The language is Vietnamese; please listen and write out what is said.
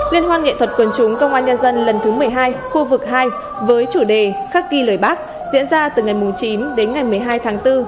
liên hoan nghệ thuật quần chúng công an nhân dân lần thứ một mươi hai khu vực hai với chủ đề khắc ghi lời bác diễn ra từ ngày chín đến ngày một mươi hai tháng bốn